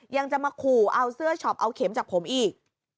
ยังจะมาขู่เอาเสื้อช็อปเอาเข็มจากผมอีก